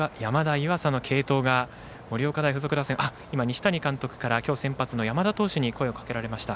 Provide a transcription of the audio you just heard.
西谷監督から今日先発の山田投手に声をかけられました。